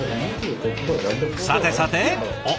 さてさておっ！